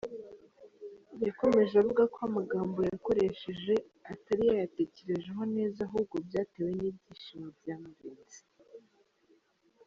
Yakomeje avuga ko amagambo yakoresheje atari yayatekerejeho neza ahubwo byatewe n’ibyishimo byamurenze.